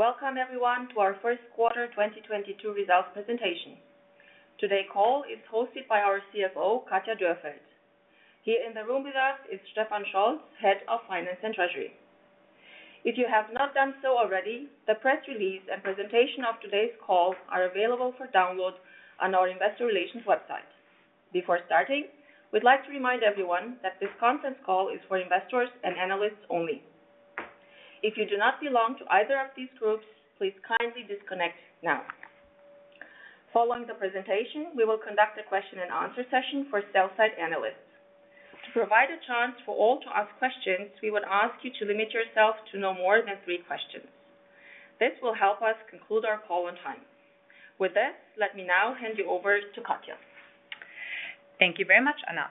Welcome everyone to our first quarter 2022 results presentation. Today's call is hosted by our CFO, Katja Dürrfeld. Here in the room with us is Stefan Scholz, Head of Finance and Treasury. If you have not done so already, the press release and presentation of today's call are available for download on our investor relations website. Before starting, we'd like to remind everyone that this conference call is for investors and analysts only. If you do not belong to either of these groups, please kindly disconnect now. Following the presentation, we will conduct a question and answer session for sell-side analysts. To provide a chance for all to ask questions, we would ask you to limit yourself to no more than three questions. This will help us conclude our call on time. With this, let me now hand you over to Katja. Thank you very much, Anna.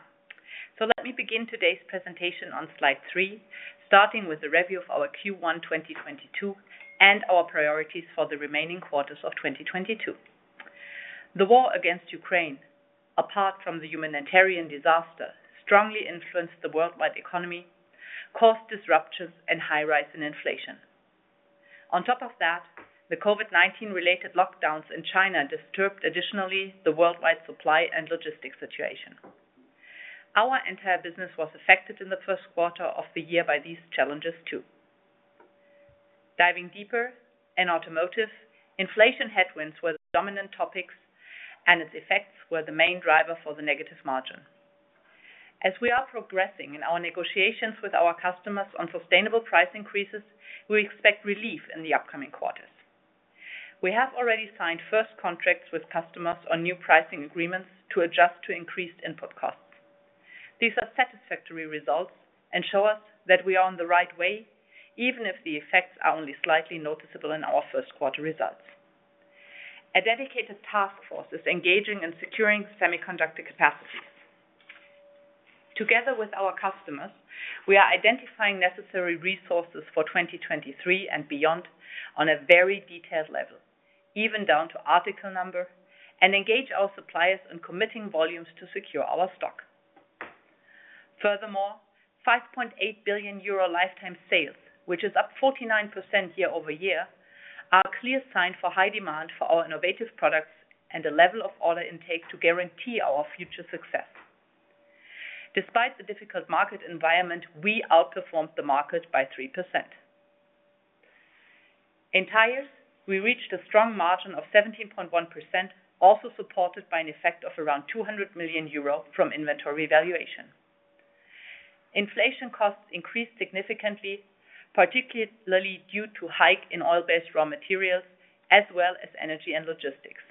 Let me begin today's presentation on Slide 3, starting with the review of our Q1 2022 and our priorities for the remaining quarters of 2022. The war against Ukraine, apart from the humanitarian disaster, strongly influenced the worldwide economy, caused disruptions and high rise in inflation. On top of that, the COVID-19 related lockdowns in China disturbed additionally the worldwide supply and logistics situation. Our entire business was affected in the first quarter of the year by these challenges, too. Diving deeper, in automotive, inflation headwinds were the dominant topics, and its effects were the main driver for the negative margin. As we are progressing in our negotiations with our customers on sustainable price increases, we expect relief in the upcoming quarters. We have already signed first contracts with customers on new pricing agreements to adjust to increased input costs. These are satisfactory results and show us that we are on the right way, even if the effects are only slightly noticeable in our first quarter results. A dedicated task force is engaging in securing semiconductor capacities. Together with our customers, we are identifying necessary resources for 2023 and beyond on a very detailed level, even down to article number, and engage our suppliers in committing volumes to secure our stock. Furthermore, 5.8 billion euro lifetime sales, which is up 49% year-over-year, are a clear sign for high demand for our innovative products and a level of order intake to guarantee our future success. Despite the difficult market environment, we outperformed the market by 3%. In Tires, we reached a strong margin of 17.1%, also supported by an effect of around 200 million euro from inventory valuation. Inflation costs increased significantly, particularly due to hike in oil-based raw materials as well as energy and logistics.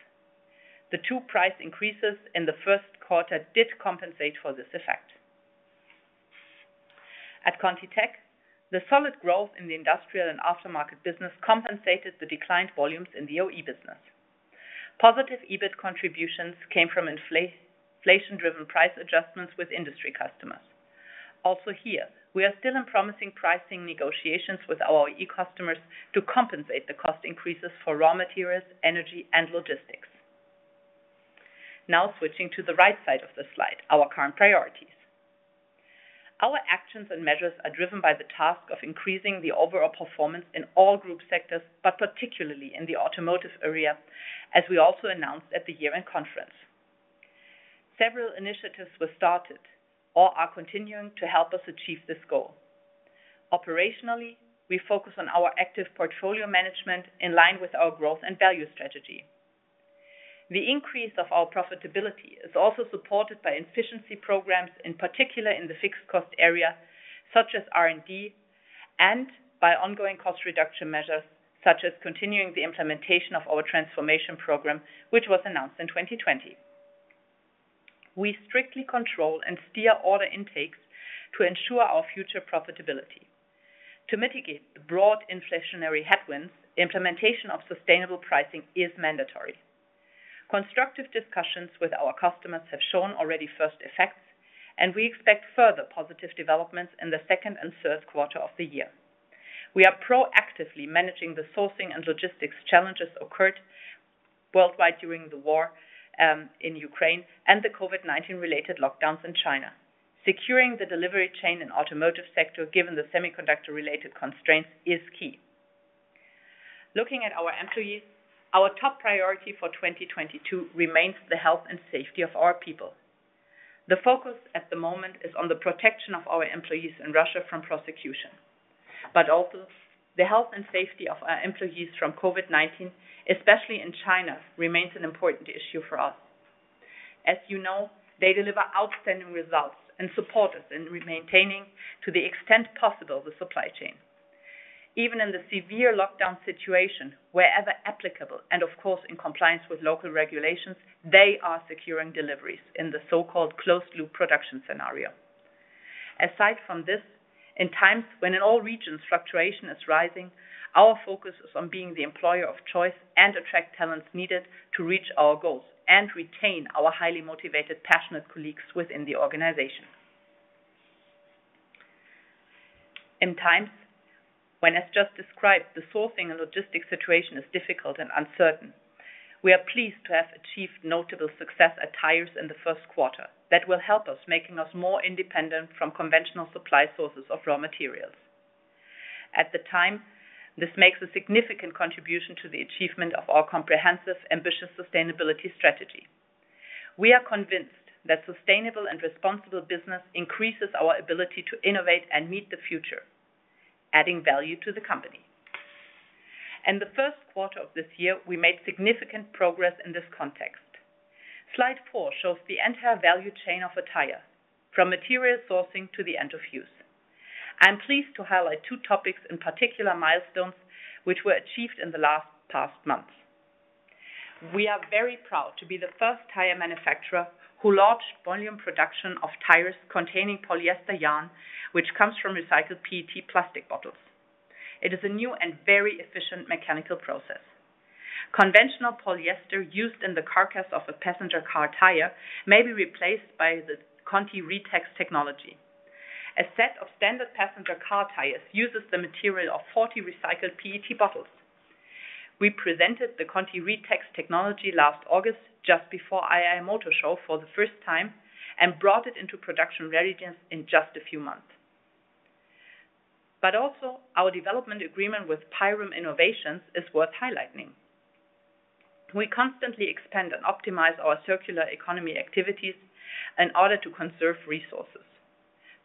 The two price increases in the first quarter did compensate for this effect. At ContiTech, the solid growth in the industrial and aftermarket business compensated the declined volumes in the OE business. Positive EBIT contributions came from inflation-driven price adjustments with industry customers. Also here, we are still in promising pricing negotiations with our OE customers to compensate the cost increases for raw materials, energy, and logistics. Now switching to the right side of the slide, our current priorities. Our actions and measures are driven by the task of increasing the overall performance in all group sectors, but particularly in the automotive area, as we also announced at the year-end conference. Several initiatives were started or are continuing to help us achieve this goal. Operationally, we focus on our active portfolio management in line with our growth and value strategy. The increase of our profitability is also supported by efficiency programs, in particular in the fixed cost area such as R&D and by ongoing cost reduction measures such as continuing the implementation of our transformation program, which was announced in 2020. We strictly control and steer order intakes to ensure our future profitability. To mitigate the broad inflationary headwinds, implementation of sustainable pricing is mandatory. Constructive discussions with our customers have shown already first effects, and we expect further positive developments in the second and third quarter of the year. We are proactively managing the sourcing and logistics challenges occurred worldwide during the war in Ukraine and the COVID-19 related lockdowns in China. Securing the delivery chain in automotive sector, given the semiconductor related constraints, is key. Looking at our employees, our top priority for 2022 remains the health and safety of our people. The focus at the moment is on the protection of our employees in Russia from prosecution, but also the health and safety of our employees from COVID-19, especially in China, remains an important issue for us. As you know, they deliver outstanding results and support us in maintaining, to the extent possible, the supply chain. Even in the severe lockdown situation, wherever applicable, and of course, in compliance with local regulations, they are securing deliveries in the so-called closed loop production scenario. Aside from this, in times when in all regions fluctuation is rising, our focus is on being the employer of choice and attract talents needed to reach our goals and retain our highly motivated, passionate colleagues within the organization. In times when, as just described, the sourcing and logistics situation is difficult and uncertain. We are pleased to have achieved notable success at Tires in the first quarter that will help us, making us more independent from conventional supply sources of raw materials. At the time, this makes a significant contribution to the achievement of our comprehensive, ambitious sustainability strategy. We are convinced that sustainable and responsible business increases our ability to innovate and meet the future, adding value to the company. In the first quarter of this year, we made significant progress in this context. Slide 4 shows the entire value chain of a tire from material sourcing to the end of use. I'm pleased to highlight two topics, in particular milestones which were achieved in the last past months. We are very proud to be the first tire manufacturer who launched volume production of tires containing polyester yarn, which comes from recycled PET plastic bottles. It is a new and very efficient mechanical process. Conventional polyester used in the carcass of a passenger car tire may be replaced by the ContiRe.Tex technology. A set of standard passenger car tires uses the material of 40 recycled PET bottles. We presented the ContiRe.Tex technology last August just before IAA Motor Show for the first time and brought it into production readiness in just a few months. Also our development agreement with Pyrum Innovations is worth highlighting. We constantly expand and optimize our circular economy activities in order to conserve resources.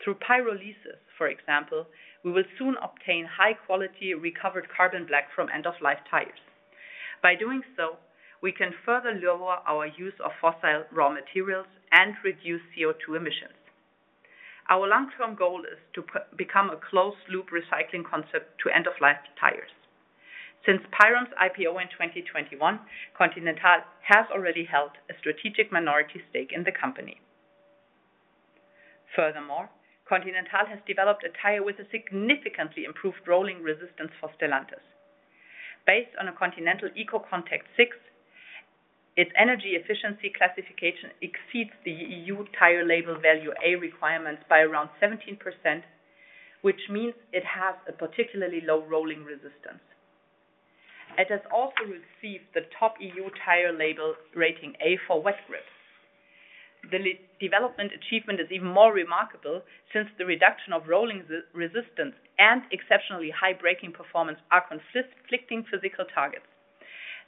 Through pyrolysis, for example, we will soon obtain high-quality recovered carbon black from end-of-life tires. By doing so, we can further lower our use of fossil raw materials and reduce CO₂ emissions. Our long-term goal is to become a closed-loop recycling concept to end-of-life tires. Since Pyrum's IPO in 2021, Continental has already held a strategic minority stake in the company. Furthermore, Continental has developed a tire with a significantly improved rolling resistance for Stellantis. Based on a Continental EcoContact 6, its energy efficiency classification exceeds the EU tire label value A requirements by around 17%, which means it has a particularly low rolling resistance. It has also received the top EU tire label rating A for wet grip. The development achievement is even more remarkable since the reduction of rolling resistance and exceptionally high braking performance are conflicting physical targets.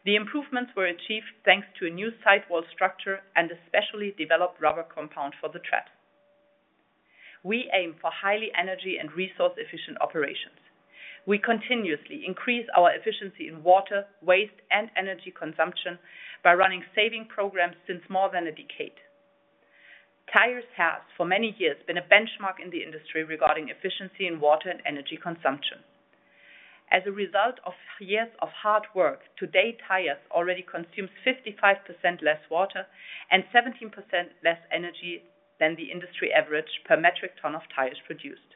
The improvements were achieved thanks to a new sidewall structure and a specially developed rubber compound for the tread. We aim for highly energy and resource-efficient operations. We continuously increase our efficiency in water, waste, and energy consumption by running saving programs since more than a decade. Tires has, for many years, been a benchmark in the industry regarding efficiency in water and energy consumption. As a result of years of hard work, today Tires already consume 55% less water and 17% less energy than the industry average per metric ton of tires produced.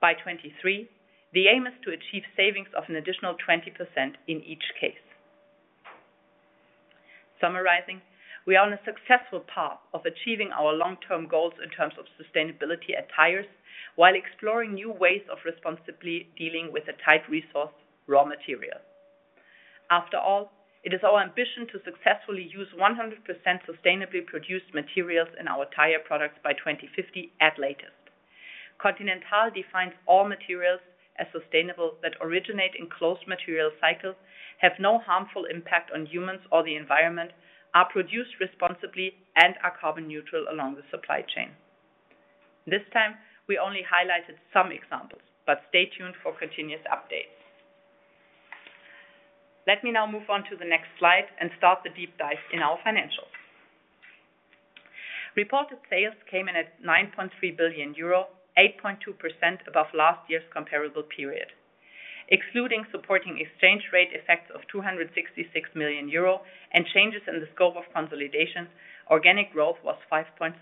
By 2023, the aim is to achieve savings of an additional 20% in each case. Summarizing, we are on a successful path of achieving our long-term goals in terms of sustainability at Tires while exploring new ways of responsibly dealing with the tight resource raw material. After all, it is our ambition to successfully use 100% sustainably produced materials in our tire products by 2050 at latest. Continental defines all materials as sustainable that originate in closed material cycles, have no harmful impact on humans or the environment, are produced responsibly, and are carbon neutral along the supply chain. This time, we only highlighted some examples, but stay tuned for continuous updates. Let me now move on to the next slide and start the deep dive into our financials. Reported sales came in at 9.3 billion euro, 8.2% above last year's comparable period. Excluding supporting exchange rate effects of 266 million euro and changes in the scope of consolidation, organic growth was 5.3%.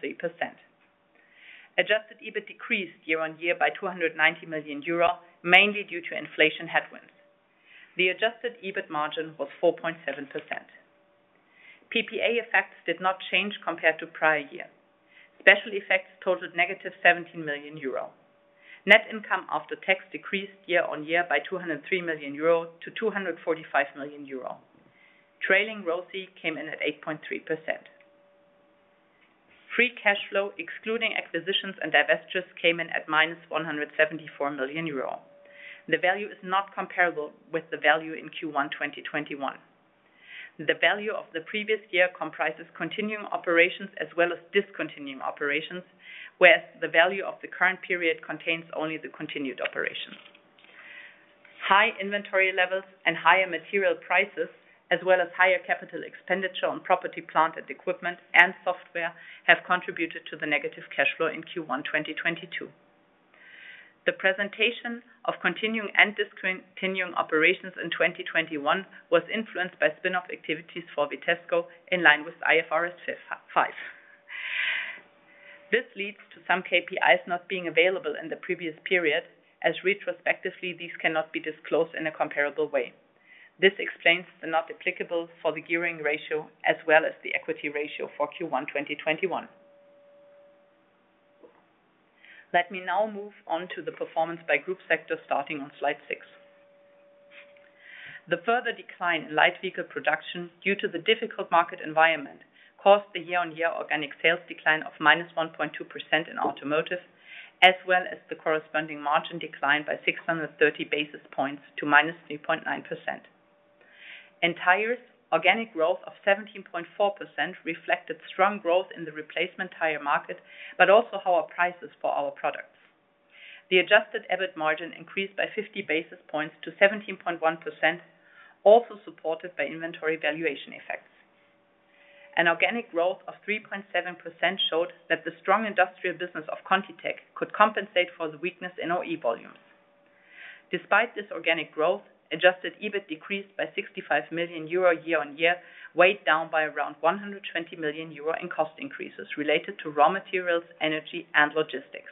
Adjusted EBIT decreased year-on-year by 290 million euro, mainly due to inflation headwinds. The Adjusted EBIT margin was 4.7%. PPA effects did not change compared to prior year. Special effects totaled negative 17 million euro. Net income after tax decreased year-on-year by 203 million euro to 245 million euro. Trailing ROCE came in at 8.3%. Free cash flow, excluding acquisitions and divestitures, came in at -174 million euro. The value is not comparable with the value in Q1 2021. The value of the previous year comprises continuing operations as well as discontinuing operations, whereas the value of the current period contains only the continued operations. High inventory levels and higher material prices, as well as higher capital expenditure on property, plant and equipment and software, have contributed to the negative cash flow in Q1 2022. The presentation of continuing and discontinuing operations in 2021 was influenced by spin-off activities for Vitesco in line with IFRS 5. This leads to some KPIs not being available in the previous period, as retrospectively these cannot be disclosed in a comparable way. This explains the not applicable for the gearing ratio as well as the equity ratio for Q1, 2021. Let me now move on to the performance by group sector starting on Slide 6. The further decline in light vehicle production due to the difficult market environment caused a year-on-year organic sales decline of -1.2% in automotive, as well as the corresponding margin decline by 630 basis points to -3.9%. In Tires, organic growth of 17.4% reflected strong growth in the replacement tire market, but also our prices for our products. The Adjusted EBIT margin increased by 50 basis points to 17.1%, also supported by inventory valuation effects. An organic growth of 3.7% showed that the strong industrial business of ContiTech could compensate for the weakness in OE volumes. Despite this organic growth, Adjusted EBIT decreased by 65 million euro year-on-year, weighed down by around 120 million euro in cost increases related to raw materials, energy and logistics.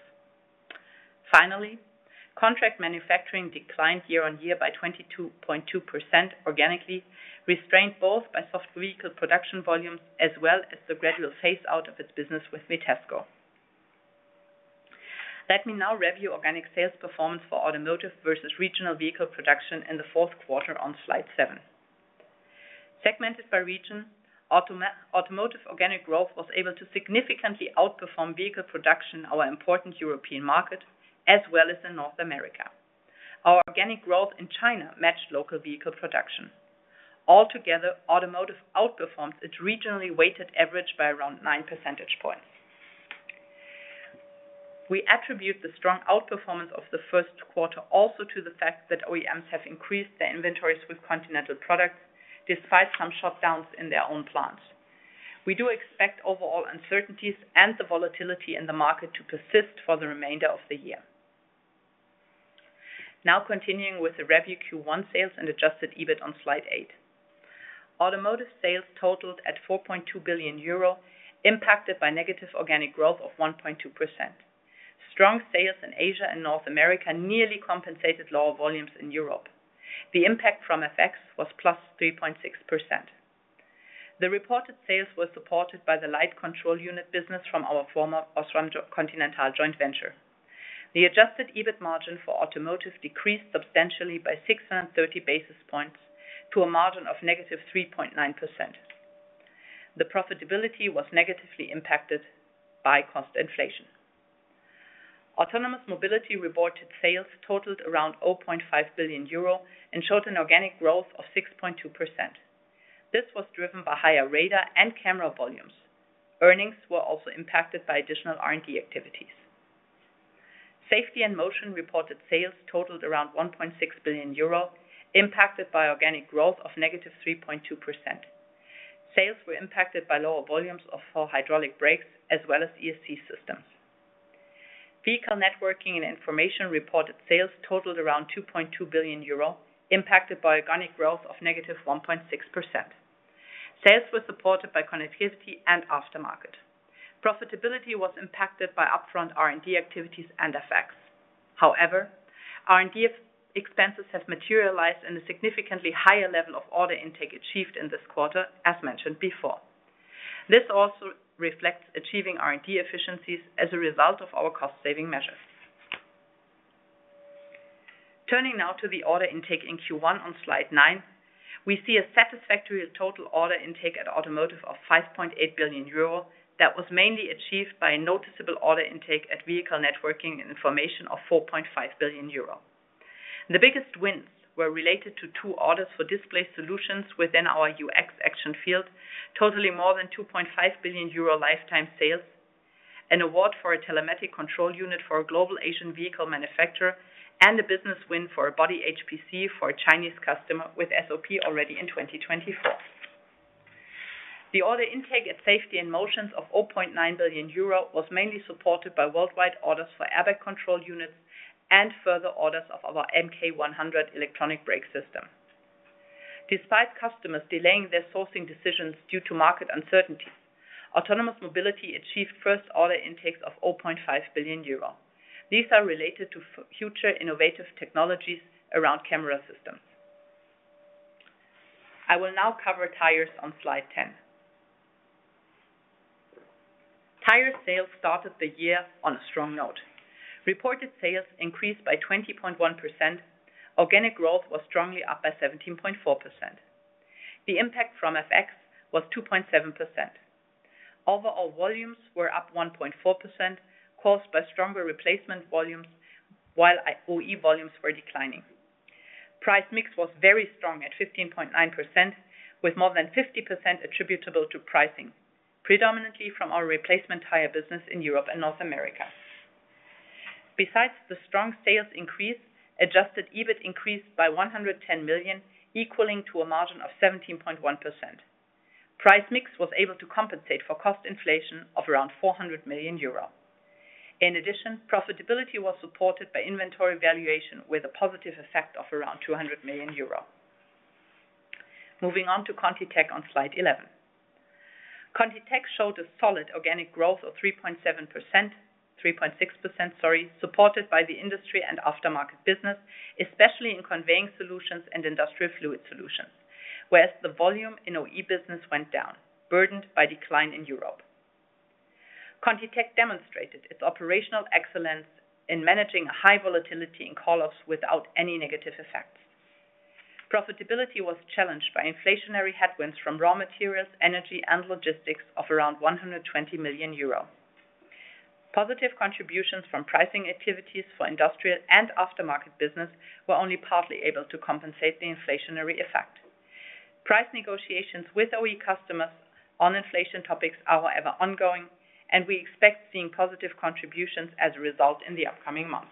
Finally, contract manufacturing declined year-on-year by 22.2% organically, restrained both by soft vehicle production volumes as well as the gradual phase out of its business with Vitesco. Let me now review organic sales performance for automotive versus regional vehicle production in the fourth quarter on Slide 7. Segmented by region, automotive organic growth was able to significantly outperform vehicle production in our important European market as well as in North America. Our organic growth in China matched local vehicle production. Altogether, automotive outperformed its regionally weighted average by around 9 percentage points. We attribute the strong outperformance of the first quarter also to the fact that OEMs have increased their inventories with Continental products despite some shutdowns in their own plants. We do expect overall uncertainties and the volatility in the market to persist for the remainder of the year. Now continuing with the review Q1 sales and Adjusted EBIT on Slide 8. Automotive sales totaled 4.2 billion euro, impacted by negative organic growth of 1.2%. Strong sales in Asia and North America nearly compensated lower volumes in Europe. The impact from FX was +3.6%. The reported sales were supported by the lighting control unit business from our former Osram Continental joint venture. The Adjusted EBIT margin for automotive decreased substantially by 630 basis points to a margin of -3.9%. The profitability was negatively impacted by cost inflation. Autonomous Mobility reported sales totaled around 0.5 billion euro and showed an organic growth of 6.2%. This was driven by higher radar and camera volumes. Earnings were also impacted by additional R&D activities. Safety and Motion reported sales totaled around 1.6 billion euro, impacted by organic growth of -3.2%. Sales were impacted by lower volumes of our hydraulic brakes as well as ESC systems. Vehicle Networking and Information reported sales totaled around 2.2 billion euro, impacted by organic growth of -1.6%. Sales were supported by connectivity and aftermarket. Profitability was impacted by upfront R&D activities and effects. However, R&D expenses have materialized in a significantly higher level of order intake achieved in this quarter, as mentioned before. This also reflects achieving R&D efficiencies as a result of our cost saving measures. Turning now to the order intake in Q1 on Slide 9, we see a satisfactory total order intake at Automotive of 5.8 billion euro that was mainly achieved by a noticeable order intake at Vehicle Networking and Information of 4.5 billion euro. The biggest wins were related to two orders for display solutions within our UX action field, totaling more than 2.5 billion euro lifetime sales, an award for a telematic control unit for a global Asian vehicle manufacturer, and a business win for a body HPC for a Chinese customer with SOP already in 2024. The order intake at Safety and Motion of 0.9 billion euro was mainly supported by worldwide orders for airbag control units and further orders of our MK 100 electronic brake system. Despite customers delaying their sourcing decisions due to market uncertainty, Autonomous Mobility achieved first order intakes of 0.5 billion euro. These are related to future innovative technologies around camera systems. I will now cover Tires on Slide 10. Tire sales started the year on a strong note. Reported sales increased by 20.1%. Organic growth was strongly up by 17.4%. The impact from FX was 2.7%. Overall volumes were up 1.4%, caused by stronger replacement volumes, while OE volumes were declining. Price mix was very strong at 15.9%, with more than 50% attributable to pricing, predominantly from our replacement tire business in Europe and North America. Besides the strong sales increase, Adjusted EBIT increased by 110 million, equaling to a margin of 17.1%. Price mix was able to compensate for cost inflation of around 400 million euro. In addition, profitability was supported by inventory valuation with a positive effect of around 200 million euro. Moving on to ContiTech on Slide 11. ContiTech showed a solid organic growth of 3.6%, sorry, supported by the industry and aftermarket business, especially in conveying solutions and industrial fluid solutions. Whereas the volume in OE business went down, burdened by decline in Europe. ContiTech demonstrated its operational excellence in managing high volatility in call-ups without any negative effects. Profitability was challenged by inflationary headwinds from raw materials, energy, and logistics of around 120 million euro. Positive contributions from pricing activities for industrial and aftermarket business were only partly able to compensate the inflationary effect. Price negotiations with OE customers on inflation topics are, however, ongoing, and we expect seeing positive contributions as a result in the upcoming months.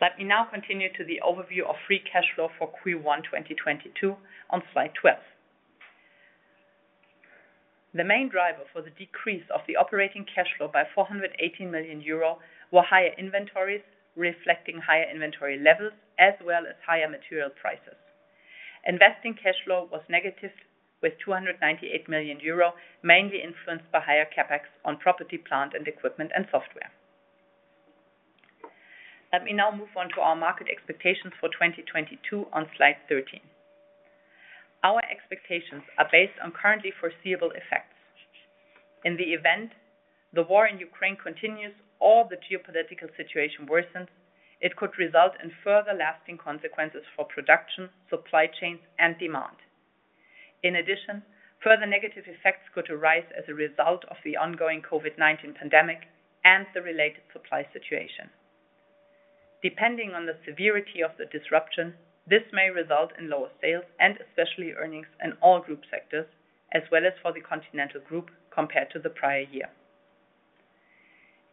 Let me now continue to the overview of free cash flow for Q1, 2022 on Slide 12. The main driver for the decrease of the operating cash flow by 418 million euro were higher inventories, reflecting higher inventory levels as well as higher material prices. Investing cash flow was negative with 298 million euro, mainly influenced by higher CapEx on property, plant and equipment, and software. Let me now move on to our market expectations for 2022 on Slide 13. Our expectations are based on currently foreseeable effects. In the event the war in Ukraine continues or the geopolitical situation worsens, it could result in further lasting consequences for production, supply chains, and demand. In addition, further negative effects could arise as a result of the ongoing COVID-19 pandemic and the related supply situation. Depending on the severity of the disruption, this may result in lower sales and especially earnings in all group sectors as well as for the Continental Group compared to the prior year.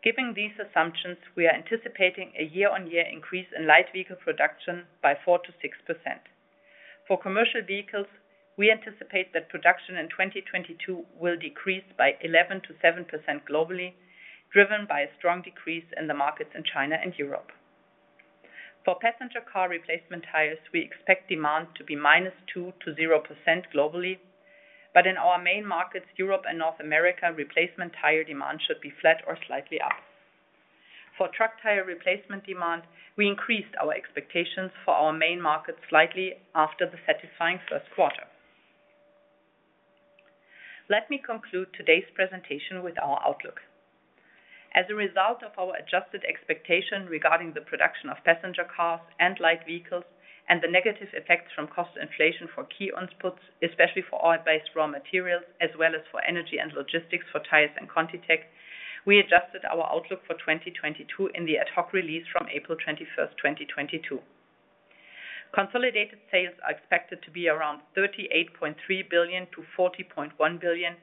Given these assumptions, we are anticipating a year-on-year increase in light vehicle production by 4%-6%. For commercial vehicles, we anticipate that production in 2022 will decrease by 11%-7% globally, driven by a strong decrease in the markets in China and Europe. For passenger car replacement tires, we expect demand to be -2% to 0% globally. In our main markets, Europe and North America, replacement tire demand should be flat or slightly up. For truck tire replacement demand, we increased our expectations for our main markets slightly after the satisfying first quarter. Let me conclude today's presentation with our outlook. As a result of our adjusted expectation regarding the production of passenger cars and light vehicles and the negative effects from cost inflation for key inputs, especially for oil-based raw materials as well as for energy and logistics for tires in ContiTech, we adjusted our outlook for 2022 in the ad hoc release from April 21, 2022. Consolidated sales are expected to be around 38.3 billion-40.1 billion,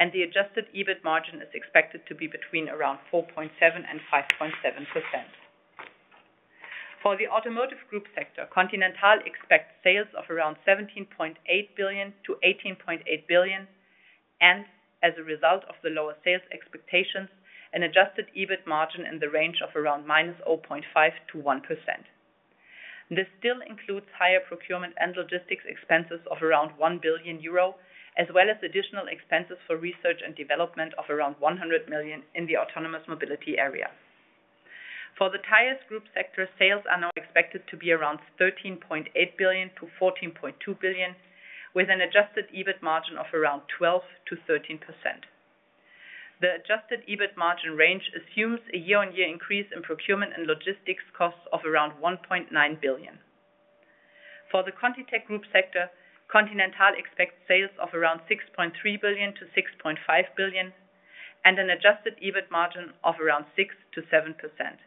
and the Adjusted EBIT margin is expected to be between around 4.7% and 5.7%. For the Automotive group sector, Continental expects sales of around 17.8 billion-18.8 billion, and as a result of the lower sales expectations, an Adjusted EBIT margin in the range of around -0.5% to 1%. This still includes higher procurement and logistics expenses of around 1 billion euro, as well as additional expenses for research and development of around 100 million in the autonomous mobility area. For the Tires group sector, sales are now expected to be around 13.8 billion-14.2 billion, with an Adjusted EBIT margin of around 12%-13%. The Adjusted EBIT margin range assumes a year-on-year increase in procurement and logistics costs of around 1.9 billion. For the ContiTech group sector, Continental expects sales of around 6.3 billion-6.5 billion, and an Adjusted EBIT margin of around 6%-7%.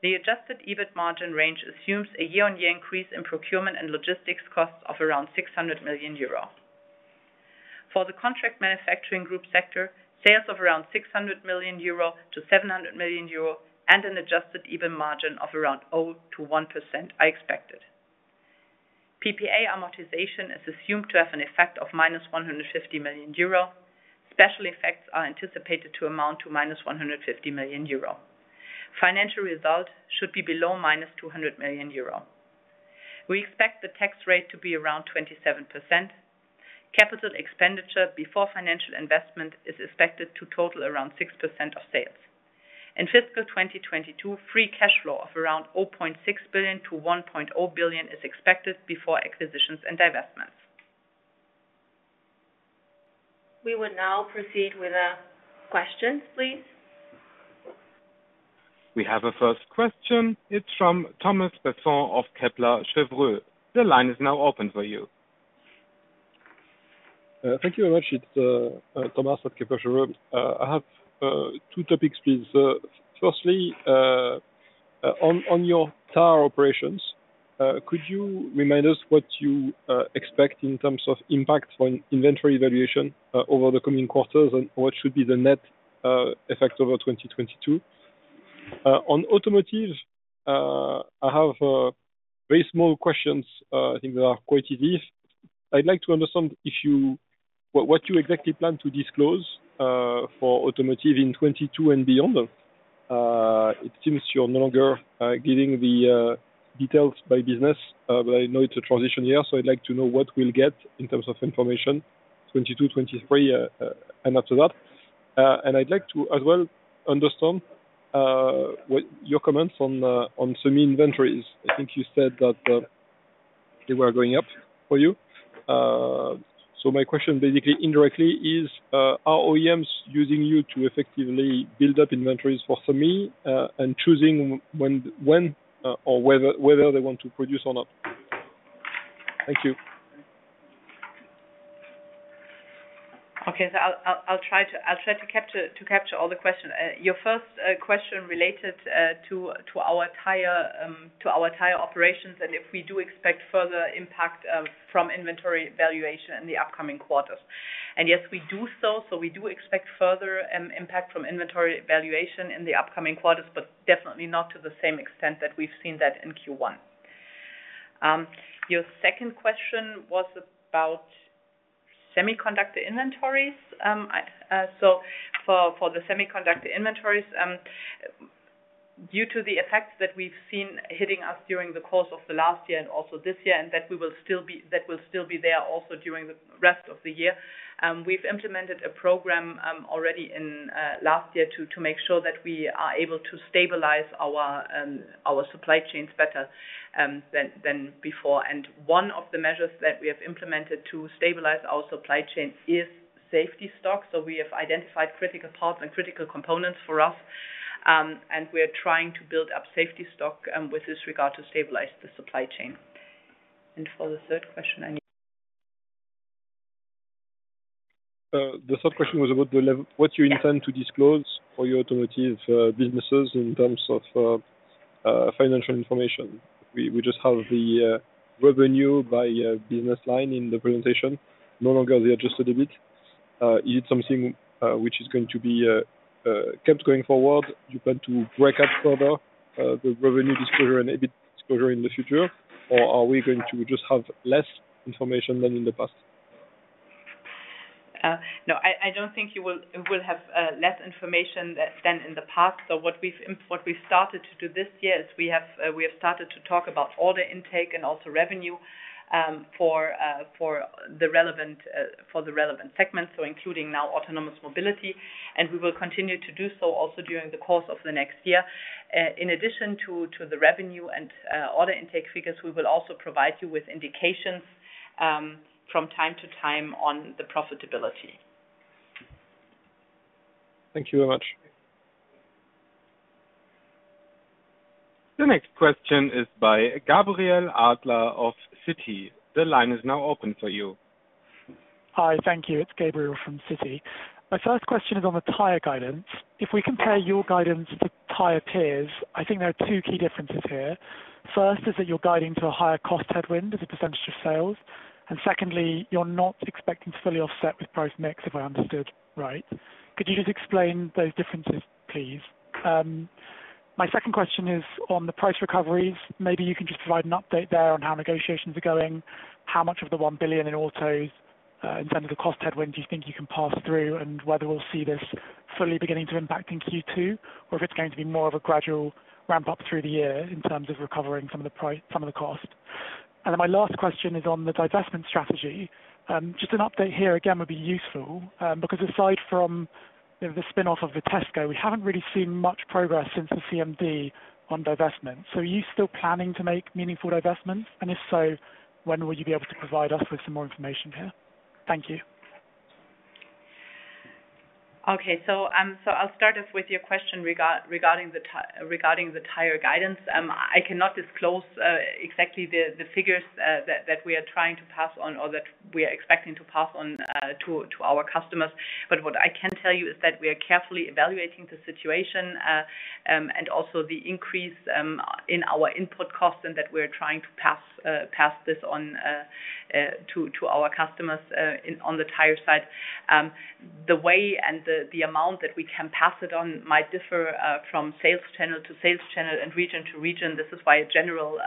The Adjusted EBIT margin range assumes a year-on-year increase in procurement and logistics costs of around 600 million euro. For the Contract Manufacturing group sector, sales of around 600 million-700 million euro and an Adjusted EBIT margin of around 0%-1% are expected. PPA amortization is assumed to have an effect of -150 million euro. Special effects are anticipated to amount to -150 million euro. Financial results should be below -200 million euro. We expect the tax rate to be around 27%. Capital expenditure before financial investment is expected to total around 6% of sales. In fiscal 2022, free cash flow of around 0.6 billion-1 billion is expected before acquisitions and divestments. We will now proceed with questions please. We have a first question. It's from Thomas Besson of Kepler Cheuvreux. The line is now open for you. Thank you very much. It's Thomas of Kepler Cheuvreux. I have two topics, please. Firstly, on your tire operations, could you remind us what you expect in terms of impact on inventory valuation over the coming quarters and what should be the net effect over 2022? On automotive, I have very small questions, I think that are quite easy. I'd like to understand what you exactly plan to disclose for automotive in 2022 and beyond. It seems you're no longer giving the details by business, but I know it's a transition year, so I'd like to know what we'll get in terms of information, 2022, 2023, and after that. I'd like to as well understand what your comments on semi inventories. I think you said that they were going up for you. My question basically indirectly is, are OEMs using you to effectively build up inventories for semi, and choosing when or whether they want to produce or not? Thank you. Okay. I'll try to capture all the questions. Your first question related to our tire operations, and if we do expect further impact from inventory valuation in the upcoming quarters. Yes, we do so. We do expect further impact from inventory valuation in the upcoming quarters, but definitely not to the same extent that we've seen in Q1. Your second question was about semiconductor inventories. I... For the semiconductor inventories, due to the effects that we've seen hitting us during the course of the last year and also this year, and that will still be there also during the rest of the year, we've implemented a program already in last year to make sure that we are able to stabilize our supply chains better than before. One of the measures that we have implemented to stabilize our supply chain is safety stock. We have identified critical parts and critical components for us, and we are trying to build up safety stock in this regard to stabilize the supply chain. For the third question, I need The third question was about the lev- Yeah. What you intend to disclose for your automotive businesses in terms of financial information. We just have the revenue by business line in the presentation, no longer the Adjusted EBIT. Is it something which is going to be kept going forward? You plan to break out further the revenue disclosure and EBIT disclosure in the future? Or are we going to just have less information than in the past? No, I don't think you will have less information than in the past. What we've started to do this year is we have started to talk about order intake and also revenue for the relevant segments, so including now Autonomous Mobility, and we will continue to do so also during the course of the next year. In addition to the revenue and order intake figures, we will also provide you with indications from time to time on the profitability. Thank you very much. The next question is by Gabriel Adler of Citi. The line is now open for you. Hi. Thank you. It's Gabriel from Citi. My first question is on the tire guidance. If we compare your guidance to tire peers, I think there are two key differences here. First is that you're guiding to a higher cost headwind as a percentage of sales. Secondly, you're not expecting to fully offset with price mix, if I understood right. Could you just explain those differences, please? My second question is on the price recoveries. Maybe you can just provide an update there on how negotiations are going, how much of the 1 billion in autos in terms of the cost headwind do you think you can pass through, and whether we'll see this fully beginning to impact in Q2, or if it's going to be more of a gradual ramp-up through the year in terms of recovering some of the cost. My last question is on the divestment strategy. Just an update here, again, would be useful, because aside from, you know, the spinoff of Vitesco, we haven't really seen much progress since the CMD on divestment. Are you still planning to make meaningful divestments? If so, when will you be able to provide us with some more information here? Thank you. I'll start off with your question regarding the tire guidance. I cannot disclose exactly the figures that we are trying to pass on or that we are expecting to pass on to our customers. What I can tell you is that we are carefully evaluating the situation and also the increase in our input costs and that we're trying to pass this on to our customers on the tire side. The way and the amount that we can pass it on might differ from sales channel to sales channel and region to region. This is why a general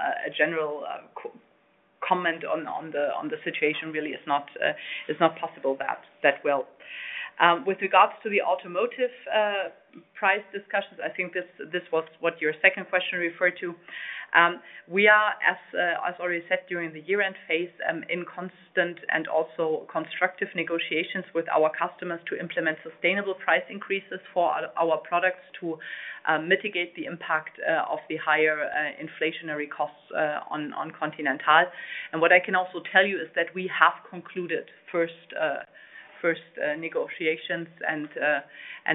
comment on the situation really is not possible that well. With regards to the automotive price discussions, I think this was what your second question referred to. We are, as already said during the year-end phase, in constant and also constructive negotiations with our customers to implement sustainable price increases for our products to mitigate the impact of the higher inflationary costs on Continental. What I can also tell you is that we have concluded first negotiations and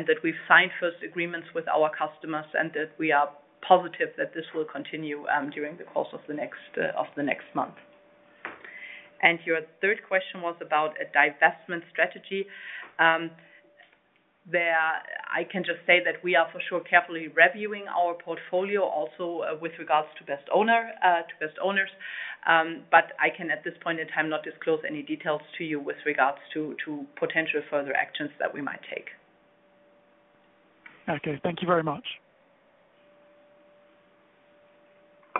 that we've signed first agreements with our customers, and that we are positive that this will continue during the course of the next month. Your third question was about a divestment strategy. There I can just say that we are for sure carefully reviewing our portfolio also with regards to best owners. I can at this point in time not disclose any details to you with regards to potential further actions that we might take. Okay. Thank you very much.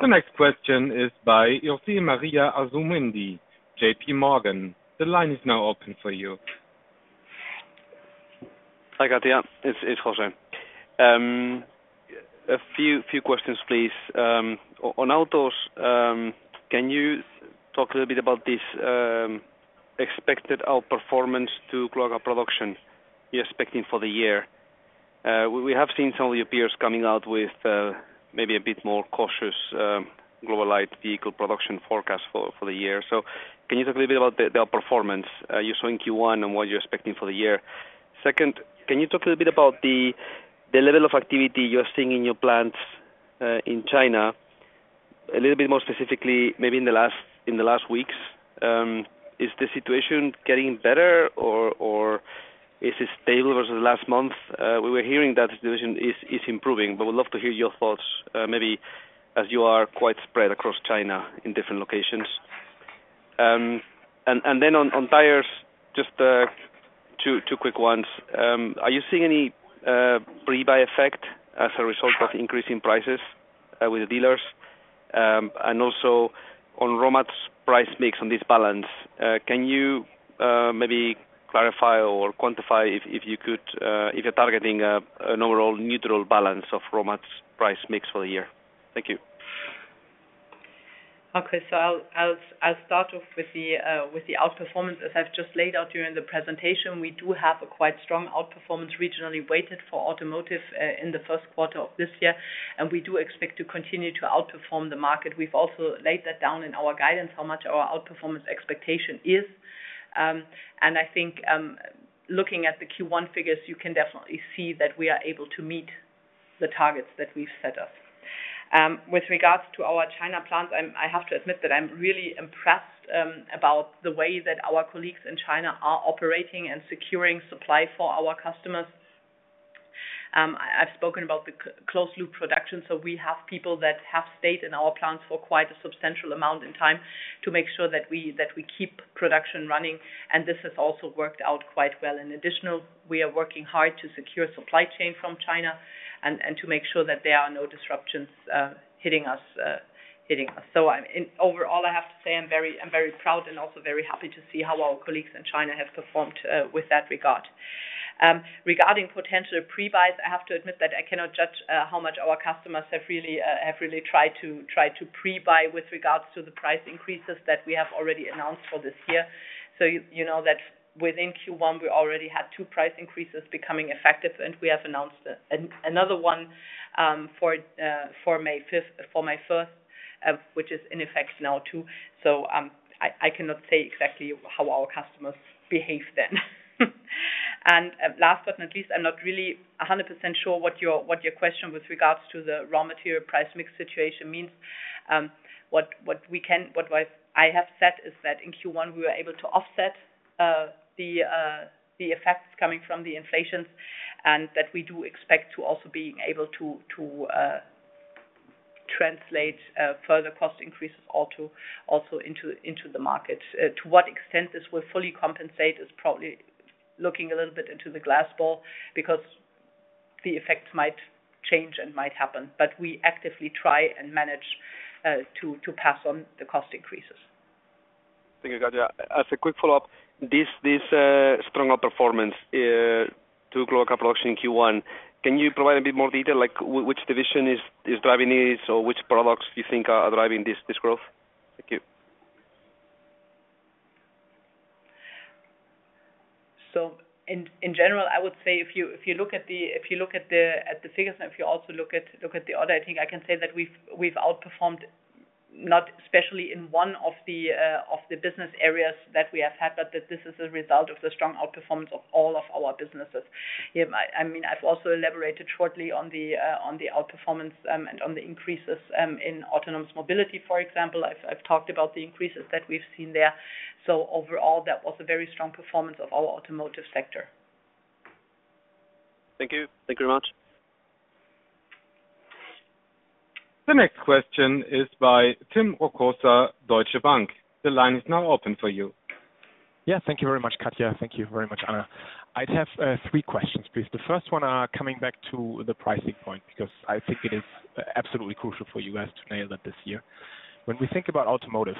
The next question is by José Maria Asumendi, JPMorgan. The line is now open for you. Hi, Katja. It's José. A few questions, please. On Autos, can you talk a little bit about this expected outperformance in global production you're expecting for the year? We have seen some of your peers coming out with maybe a bit more cautious global light vehicle production forecast for the year. Can you talk a little bit about the outperformance you saw in Q1 and what you're expecting for the year? Second, can you talk a little bit about the level of activity you're seeing in your plants in China, a little bit more specifically, maybe in the last weeks? Is the situation getting better or is it stable versus last month? We were hearing that the situation is improving, but we'd love to hear your thoughts, maybe as you are quite spread across China in different locations. On Tires, just two quick ones. Are you seeing any pre-buy effect as a result of increasing prices with the dealers? Also on raw mats price mix on this balance, can you maybe clarify or quantify if you could, if you're targeting an overall neutral balance of raw mats price mix for the year? Thank you. Okay. I'll start off with the outperformance. As I've just laid out during the presentation, we do have a quite strong outperformance regionally weighted for automotive in the first quarter of this year, and we do expect to continue to outperform the market. We've also laid that down in our guidance, how much our outperformance expectation is. I think looking at the Q1 figures, you can definitely see that we are able to meet the targets that we've set us. With regards to our China plants, I have to admit that I'm really impressed about the way that our colleagues in China are operating and securing supply for our customers. I've spoken about the closed loop production, so we have people that have stayed in our plants for quite a substantial amount of time to make sure that we keep production running, and this has also worked out quite well. In addition, we are working hard to secure supply chain from China and to make sure that there are no disruptions hitting us. Overall, I have to say I'm very proud and also very happy to see how our colleagues in China have performed in that regard. Regarding potential pre-buys, I have to admit that I cannot judge how much our customers have really tried to pre-buy with regards to the price increases that we have already announced for this year. You know that within Q1 we already had two price increases becoming effective, and we have announced another one for May first, which is in effect now too. I cannot say exactly how our customers behave then. Last but not least, I'm not really a hundred percent sure what your question with regards to the raw material price mix situation means. What I have said is that in Q1, we were able to offset the effects coming from the inflations and that we do expect to also being able to translate further cost increases also into the market. To what extent this will fully compensate is probably looking a little bit into the crystal ball because the effects might change and might happen, but we actively try and manage to pass on the cost increases. Thank you, Katja. As a quick follow-up, this strong outperformance to grow production in Q1, can you provide a bit more detail, like which division is driving this or which products you think are driving this growth? Thank you. In general, I would say if you look at the figures and if you also look at the order, I think I can say that we've outperformed, not especially in one of the business areas that we have had, but that this is a result of the strong outperformance of all of our businesses. Yeah, I mean, I've also elaborated shortly on the outperformance and on the increases in Autonomous Mobility, for example. I've talked about the increases that we've seen there. Overall, that was a very strong performance of our Automotive sector. Thank you. Thank you very much. The next question is by Tim Rokossa, Deutsche Bank. The line is now open for you. Yeah. Thank you very much, Katja. Thank you very much, Anna. I'd have three questions, please. The first one, coming back to the pricing point, because I think it is absolutely crucial for you guys to nail that this year. When we think about automotive,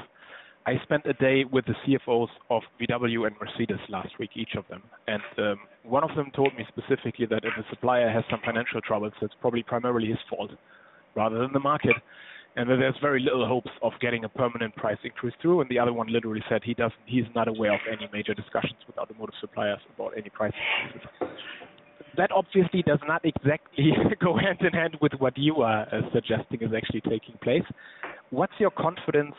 I spent a day with the CFOs of VW and Mercedes last week, each of them, and one of them told me specifically that if a supplier has some financial troubles, it's probably primarily his fault rather than the market, and that there's very little hopes of getting a permanent price increase through, and the other one literally said he doesn't, he's not aware of any major discussions with automotive suppliers about any price increases. That obviously does not exactly go hand in hand with what you are suggesting is actually taking place. What's your confidence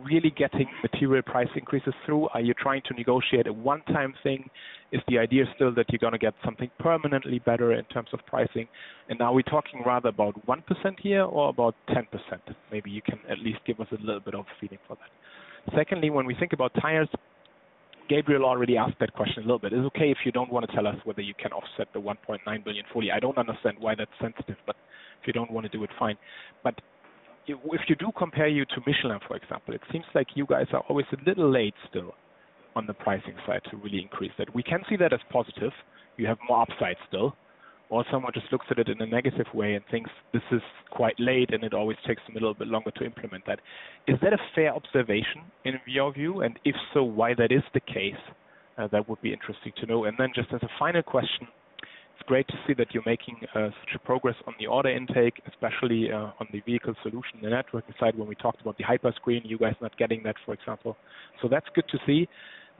really getting material price increases through? Are you trying to negotiate a one-time thing? Is the idea still that you're gonna get something permanently better in terms of pricing? Are we talking rather about 1% here or about 10%? Maybe you can at least give us a little bit of a feeling for that. Secondly, when we think about Tires, Gabriel already asked that question a little bit. It's okay if you don't wanna tell us whether you can offset the 1.9 billion fully. I don't understand why that's sensitive, but if you don't wanna do it, fine. If you do compare to Michelin, for example, it seems like you guys are always a little late still on the pricing side to really increase that. We can see that as positive. You have more upside still, or someone just looks at it in a negative way and thinks this is quite late and it always takes them a little bit longer to implement that. Is that a fair observation in your view? And if so, why that is the case? That would be interesting to know. Just as a final question, it's great to see that you're making such a progress on the order intake, especially on the vehicle solution, the network side, when we talked about the Hyperscreen, you guys not getting that, for example. That's good to see.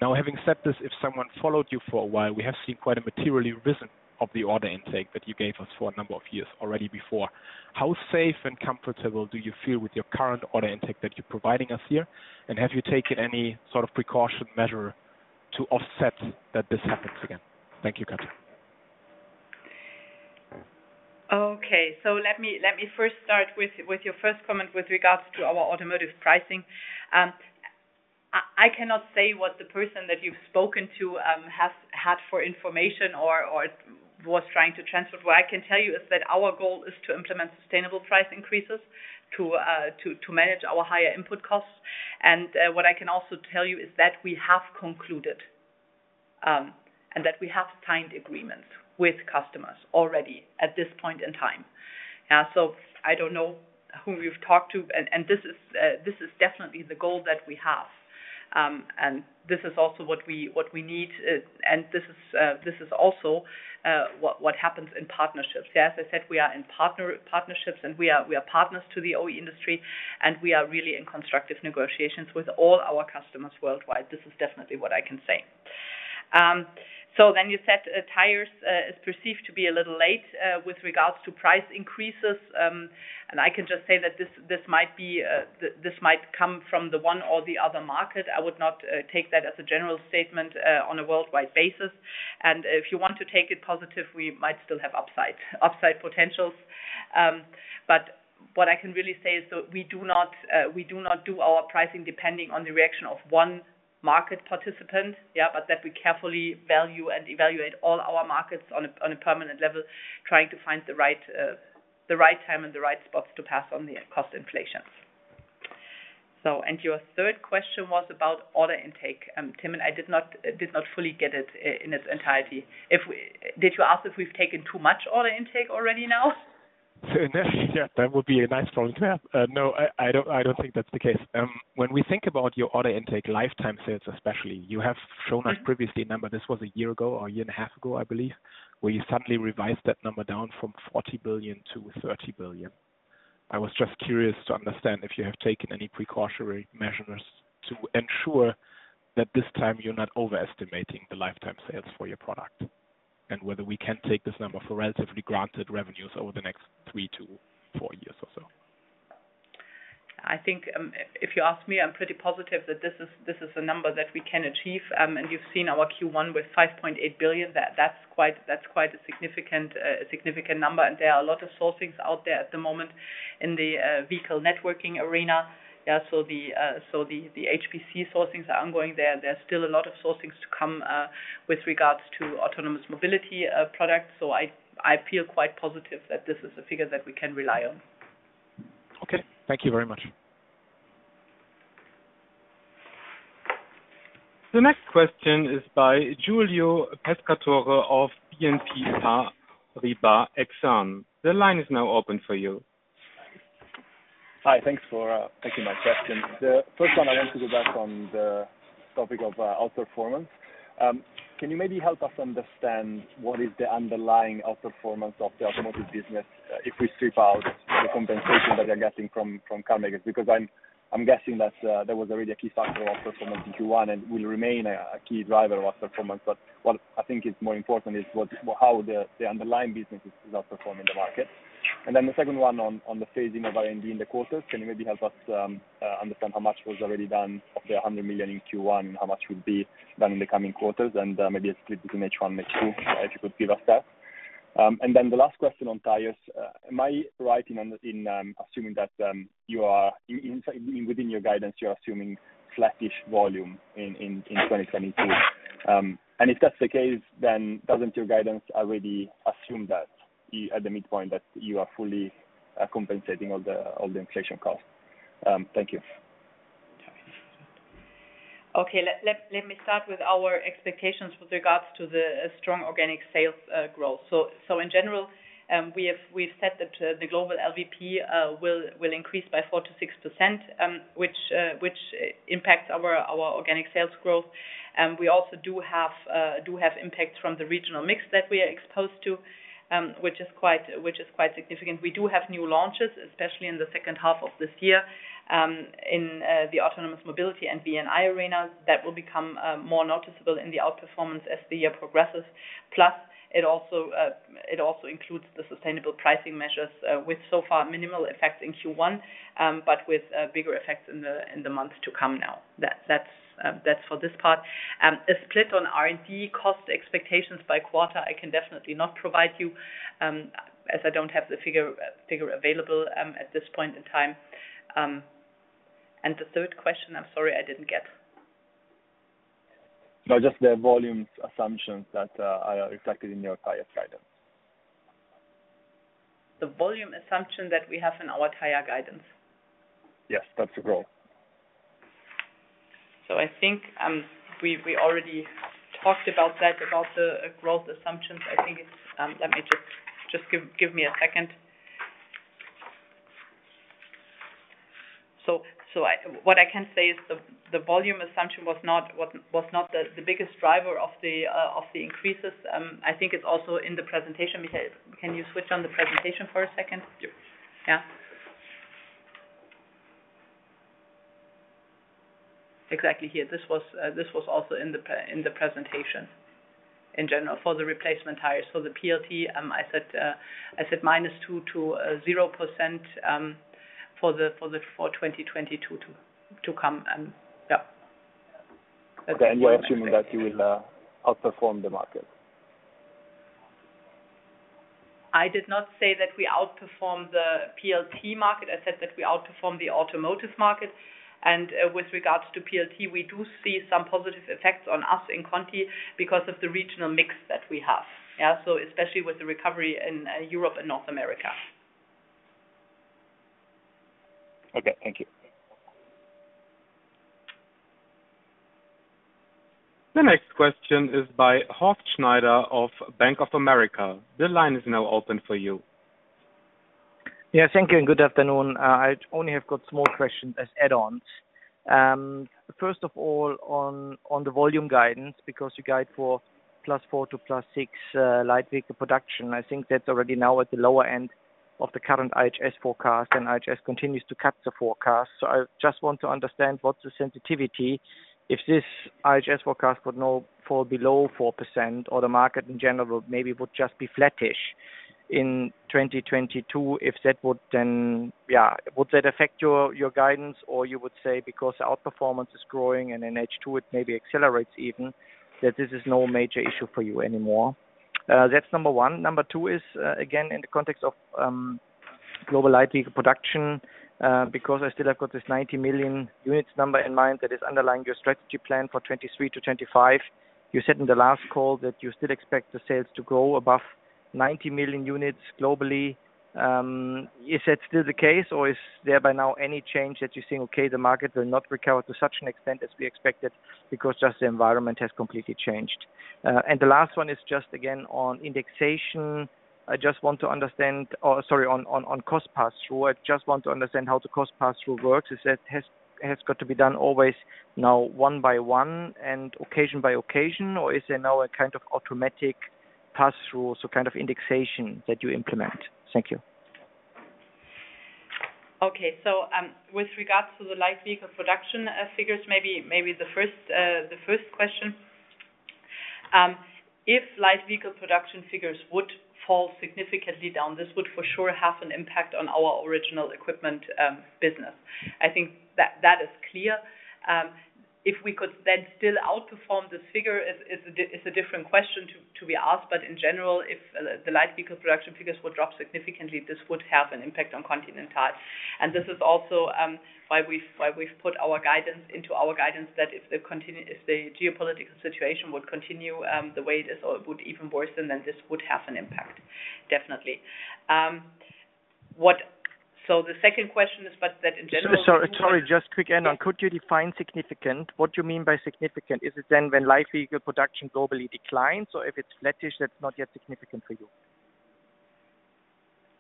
Now, having said this, if someone followed you for a while, we have seen quite a material risk of the order intake that you gave us for a number of years already before. How safe and comfortable do you feel with your current order intake that you're providing us here? Have you taken any sort of precaution measure to offset that this happens again? Thank you, Katja Dürrfeld. Let me first start with your first comment with regards to our automotive pricing. I cannot say what the person that you've spoken to has had for information or was trying to transfer. What I can tell you is that our goal is to implement sustainable price increases to manage our higher input costs. What I can also tell you is that we have concluded and that we have signed agreements with customers already at this point in time. I don't know whom you've talked to. This is definitely the goal that we have. This is also what we need. This is also what happens in partnerships. As I said, we are in partnerships, and we are partners to the OE industry, and we are really in constructive negotiations with all our customers worldwide. This is definitely what I can say. You said Tires is perceived to be a little late with regards to price increases. I can just say that this might come from the one or the other market. I would not take that as a general statement on a worldwide basis. If you want to take it positive, we might still have upside potentials. What I can really say is that we do not do our pricing depending on the reaction of one market participant. Yeah. that we carefully value and evaluate all our markets on a permanent level, trying to find the right time and the right spots to pass on the cost inflation. Your third question was about order intake. Tim, and I did not fully get it in its entirety. Did you ask if we've taken too much order intake already now? Yeah. That would be a nice problem to have. No, I don't think that's the case. When we think about your order intake lifetime sales especially, you have shown us previously a number, this was a year ago or a year and a half ago, I believe, where you suddenly revised that number down from 40 billion to 30 billion. I was just curious to understand if you have taken any precautionary measures to ensure that this time you're not overestimating the lifetime sales for your product, and whether we can take this number for relatively granted revenues over the next 3-4 years or so. I think, if you ask me, I'm pretty positive that this is a number that we can achieve. You've seen our Q1 with 5.8 billion. That's quite a significant number. There are a lot of sourcings out there at the moment in the vehicle networking arena. Yeah. The HPC sourcings are ongoing there. There's still a lot of sourcings to come with regards to autonomous mobility products. I feel quite positive that this is a figure that we can rely on. Okay. Thank you very much. The next question is by Giulio Pescatore of BNP Paribas Exane. The line is now open for you. Hi. Thanks for taking my question. The first one, I want to go back on the topic of outperformance. Can you maybe help us understand what is the underlying outperformance of the automotive business, if we strip out the compensation that you're getting from carmakers? Because I'm guessing that was already a key factor of outperformance in Q1 and will remain a key driver of outperformance. But what I think is more important is how the underlying business is outperforming the market. The second one on the phasing of R&D in the quarters, can you maybe help us understand how much was already done of the 100 million in Q1, and how much would be done in the coming quarters, and maybe a split between H1, H2, if you could give us that. The last question on Tires, am I right in assuming that within your guidance, you're assuming flattish volume in 2022? If that's the case, then doesn't your guidance already assume that at the midpoint that you are fully compensating all the inflation costs? Thank you. Okay. Let me start with our expectations with regards to the strong organic sales growth. In general, we've said that the global LVP will increase by 4%-6%, which impacts our organic sales growth. We also do have impacts from the regional mix that we are exposed to, which is quite significant. We do have new launches, especially in the second half of this year, in the autonomous mobility and VNI arenas that will become more noticeable in the outperformance as the year progresses. It also includes the sustainable pricing measures with so far minimal effects in Q1, but with bigger effects in the months to come now. That's for this part. A split on R&D cost expectations by quarter, I can definitely not provide you, as I don't have the figure available at this point in time. The third question, I'm sorry, I didn't get. No, just the volumes assumptions that are reflected in your tire guidance. The volume assumption that we have in our tire guidance. Yes, that's the goal. I think we already talked about that, about the growth assumptions. I think it's... Let me just give me a second. What I can say is the volume assumption was not the biggest driver of the increases. I think it's also in the presentation. Can you switch on the presentation for a second? Yep. Yeah. Exactly. Here. This was also in the presentation in general for the replacement tires. The PLT, I said -2% to 0% for 2022 to come and yeah. You are assuming that you will outperform the market. I did not say that we outperformed the PLT market. I said that we outperformed the automotive market. With regards to PLT, we do see some positive effects on us in Conti because of the regional mix that we have. Yeah. Especially with the recovery in Europe and North America. Okay. Thank you. The next question is by Horst Schneider of Bank of America. The line is now open for you. Thank you and good afternoon. I only have got small questions as add-ons. First of all, on the volume guidance, because you guide for +4% to +6% light vehicle production. I think that's already now at the lower end of the current IHS forecast, and IHS continues to cut the forecast. I just want to understand what's the sensitivity if this IHS forecast would now fall below 4% or the market in general maybe would just be flattish in 2022, if that would then. Would that affect your guidance? Or you would say because outperformance is growing and in H2 it maybe accelerates even, that this is no major issue for you anymore. That's number one. Number two is again in the context of global light vehicle production, because I still have got this 90 million units number in mind that is underlying your strategy plan for 2023-2025. You said in the last call that you still expect the sales to grow above 90 million units globally. Is that still the case or is there by now any change that you're seeing, the market will not recover to such an extent as we expected because just the environment has completely changed? The last one is just again on cost pass-through. I just want to understand how the cost pass-through works. Is that has got to be done always now one by one and occasion by occasion or is there now a kind of automatic pass-through, so kind of indexation that you implement? Thank you. With regards to the light vehicle production figures, maybe the first question. If light vehicle production figures would fall significantly down, this would for sure have an impact on our original equipment business. I think that is clear. If we could then still outperform this figure is a different question to be asked. In general, if the light vehicle production figures would drop significantly, this would have an impact on Continental. This is also why we've put our guidance into our guidance that if the geopolitical situation would continue the way it is or it would even worsen, then this would have an impact, definitely. The second question is, but that in general- Sorry, just quick add on. Could you define significant? What do you mean by significant? Is it then when light vehicle production globally declines or if it's flattish, that's not yet significant for you?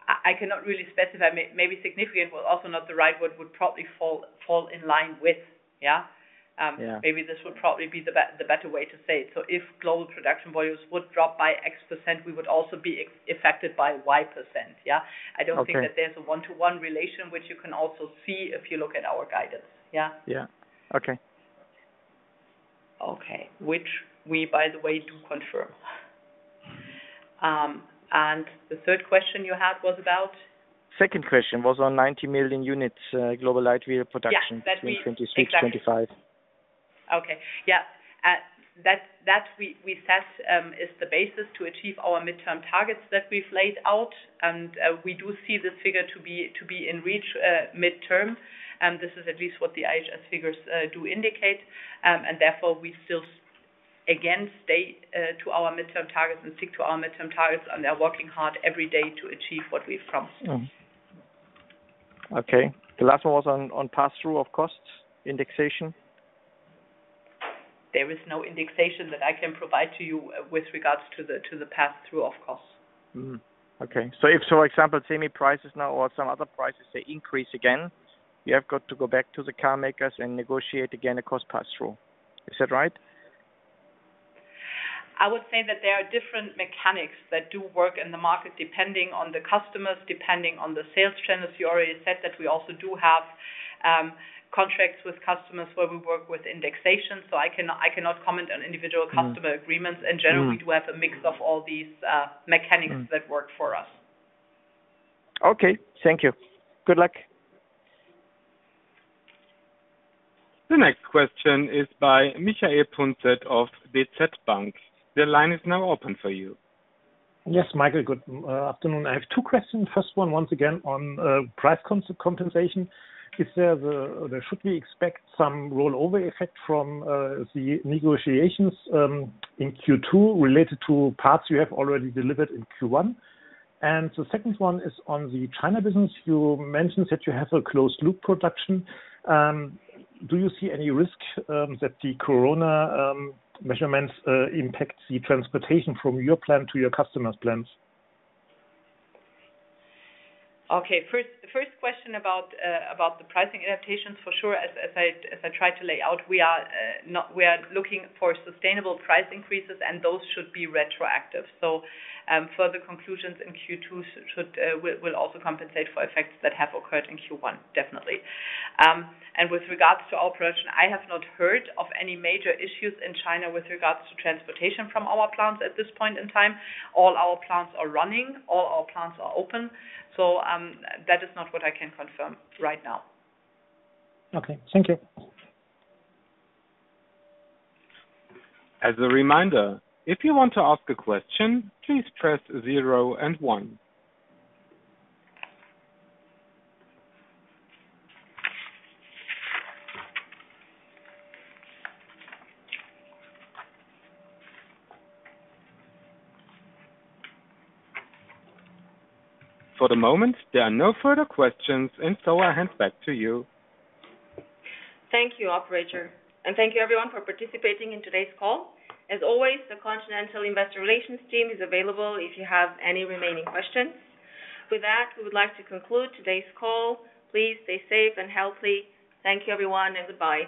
I cannot really specify. Maybe significant was also not the right word. Would probably fall in line with. Yeah. Yeah. Maybe this would probably be the better way to say it. If global production volumes would drop by X%, we would also be affected by Y%, yeah? Okay. I don't think that there's a one-to-one relation, which you can also see if you look at our guidance. Yeah. Yeah. Okay. Okay. Which we, by the way, do confirm. The third question you had was about? Second question was on 90 million units, global light vehicle production- Yeah. Between 26, 25. Exactly. Okay. Yeah. That we set is the basis to achieve our midterm targets that we've laid out. We do see this figure to be in reach midterm. This is at least what the IHS figures do indicate. Therefore, we still again state to our midterm targets and stick to our midterm targets, and are working hard every day to achieve what we've promised. Okay. The last one was on pass-through of costs indexation. There is no indexation that I can provide to you with regards to the pass-through of costs. If, for example, semi prices now or some other prices, they increase again, you have got to go back to the car makers and negotiate again a cost pass-through. Is that right? I would say that there are different mechanics that do work in the market, depending on the customers, depending on the sales channels. You already said that we also do have contracts with customers where we work with indexation. I cannot comment on individual customer agreements. In general, we do have a mix of all these mechanics that work for us. Okay. Thank you. Good luck. The next question is by Michael Punzet of DZ Bank. The line is now open for you. Yes, Michael, good afternoon. I have two questions. First one, once again on price compensation. Should we expect some rollover effect from the negotiations in Q2 related to parts you have already delivered in Q1? The second one is on the China business. You mentioned that you have a closed loop production. Do you see any risk that the Corona measures impact the transportation from your plant to your customers' plants? First question about the pricing adaptations, for sure, as I tried to lay out, we are looking for sustainable price increases, and those should be retroactive. Further conclusions in Q2 will also compensate for effects that have occurred in Q1, definitely. With regards to our production, I have not heard of any major issues in China with regards to transportation from our plants at this point in time. All our plants are running, all our plants are open. That is not what I can confirm right now. Okay. Thank you. As a reminder, if you want to ask a question, please press zero and one. For the moment, there are no further questions, and so I hand back to you. Thank you, operator, and thank you everyone for participating in today's call. As always, the Continental Investor Relations team is available if you have any remaining questions. With that, we would like to conclude today's call. Please stay safe and healthy. Thank you everyone and goodbye.